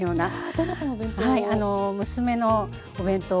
どなたのお弁当を？